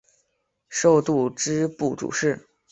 授度支部主事。